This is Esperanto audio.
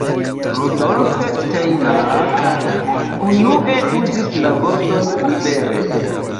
Rudolf Steiner unue uzis la vorton libere.